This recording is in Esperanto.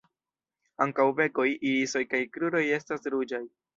Ankaŭ bekoj, irisoj kaj kruroj estas ruĝaj.